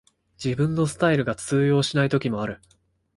自分のスタイルが通用しない時もある